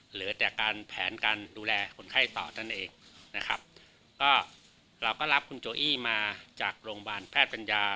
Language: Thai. เหลือแต่การแผนการดูแลคนไข้ต่อนั่นเองนะครับก็เราก็รับคุณโจอี้มาจากโรงพยาบาลแพทย์ปัญญา